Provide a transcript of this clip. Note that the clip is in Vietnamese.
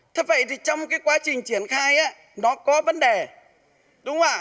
thế vậy thì trong cái quá trình triển khai nó có vấn đề đúng không ạ